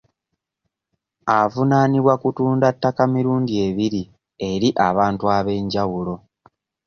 Avunaanibwa kutunda ttaka mirundi ebiri eri abantu ab'enjawulo.